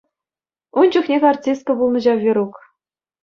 Ун чухнех артистка пулнӑ ҫав Верук.